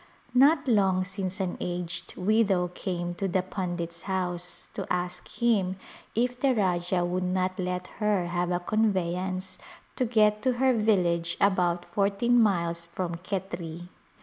Not long since an aged widow came to the pundit's house to ask him if the Rajah would not let her have a convevance to get to her village about fourteen miles from Khetri.